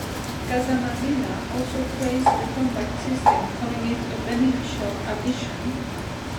Casamassina also praised the combat system, calling it "a beneficial addition".